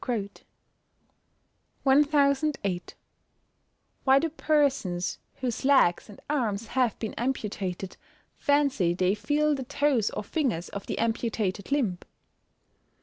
_Why do persons whose legs and arms have been amputated fancy they feel the toes or fingers of the amputated limb?